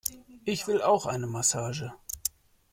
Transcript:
Ich will auch eine Massage!